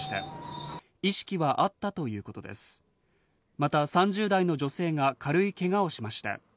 また３０代の女性が軽いけがをしました。